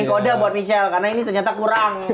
ini kode buat michelle karena ini ternyata kurang